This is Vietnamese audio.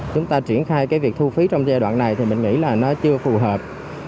chúng ta triển khai cái việc thu phí trong giai đoạn này thì mình nghĩ là nó chưa phù hợp